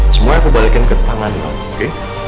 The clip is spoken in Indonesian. semua aku balikin ke tangan kamu oke